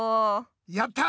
やった！